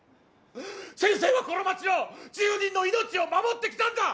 先生はこの町の住民の命を守ってきたんだ！